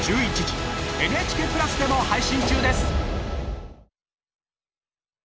ＮＨＫプラスでも配信中です！